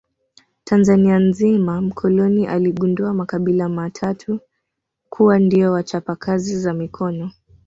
Tanzania nzima mkoloni aligundua makabila maatatu kuwa ndio wachapa kazi za mikono